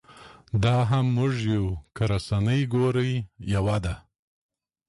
دا هم موږ یو که رسنۍ ګورې یوه ده.